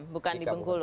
bukan di bengkulu